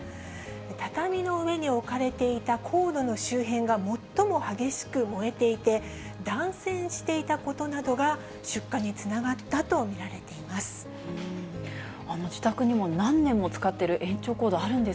畳の上に置かれていたコードの周辺が最も激しく燃えていて、断線していたことなどが出火につながったと見られています。